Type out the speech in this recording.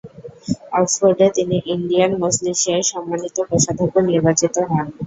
অক্সফোর্ডে তিনি ইন্ডিয়ান মজলিসের সম্মানিত কোষাধ্যক্ষ নির্বাচিত হন।